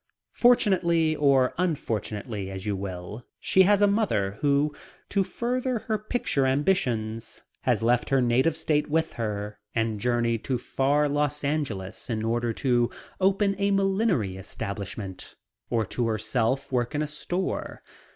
Fortunately or unfortunately, as you will, she has a mother who, to further her picture ambitions, has left her native state with her and journeyed to far Los Angeles in order to open a millinery establishment or to herself work in a store.